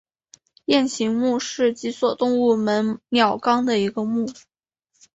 雁形目是脊索动物门鸟纲的一个目。